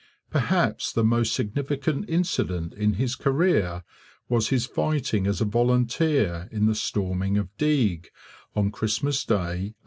Perhaps the most significant incident in his career was his fighting as a volunteer in the storming of Deeg, on Christmas Day 1804.